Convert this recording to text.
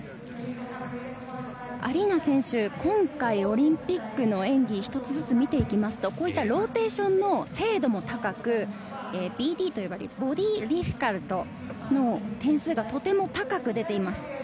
アリーナ選手、今回オリンピックの演技一つずつ見ていきますと、ローテーションの精度も高く、ＢＤと呼ばれるボディーディフィカルトの点数がとても高く出ています。